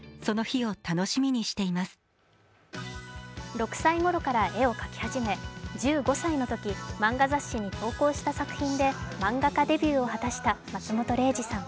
６歳ごろから絵を描き始め１５歳のとき漫画雑誌に投稿した作品で漫画家デビューを果たした松本零士さん。